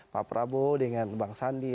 pak prabowo dengan bang sandi